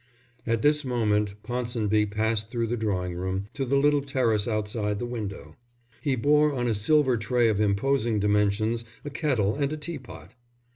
At this moment Ponsonby passed through the drawing room to the little terrace outside the window. He bore on a silver tray of imposing dimensions a kettle and a tea pot.